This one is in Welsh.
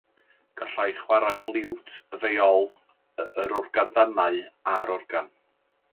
Gallai chwarae'r liwt, y feiol, yr organ dannau a'r organ.